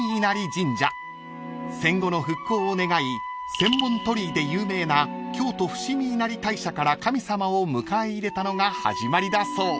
［戦後の復興を願い千本鳥居で有名な京都伏見稲荷大社から神様を迎え入れたのが始まりだそう］